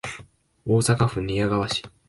大阪府寝屋川市